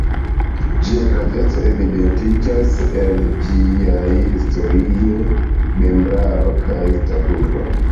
Ĝia graveco evidentiĝas el ĝiaj historio, membraro kaj statuto.